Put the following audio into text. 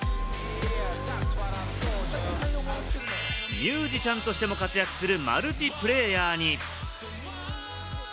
ミュージシャンとしても活躍するマルチプレーヤーに。